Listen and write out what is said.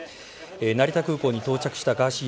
成田空港に到着したガーシー